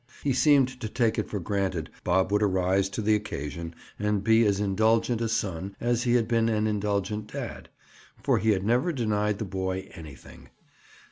He seemed to take it for granted Bob would arise to the occasion and be as indulgent a son as he had been an indulgent dad—for he had never denied the boy anything.